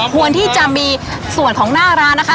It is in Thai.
ควรที่จะมีส่วนของหน้าร้านนะคะ